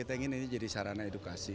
kita ingin ini jadi sarana edukasi